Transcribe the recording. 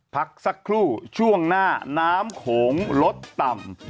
พักสักครู่ช่วงหน้าน้ำโขงลดต่ำ